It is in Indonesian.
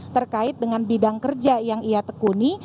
terkait dengan bidang kerja yang ia tekuni